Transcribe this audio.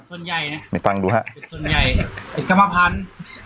ส่วนใหญ่เนี่ยไม่ฟังดูฮะส่วนใหญ่ไอ้กรรมพันธุ์